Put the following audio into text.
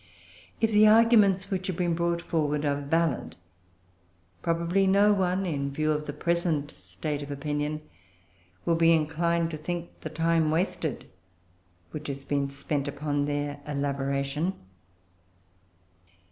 If the arguments which have been brought forward are valid, probably no one, in view of the present state of opinion, will be inclined to think the time wasted which has been spent upon their elaboration.